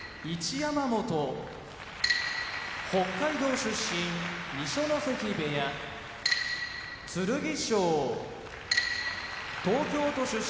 山本北海道出身二所ノ関部屋剣翔東京都出身